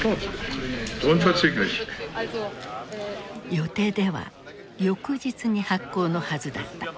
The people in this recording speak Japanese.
予定では翌日に発効のはずだった。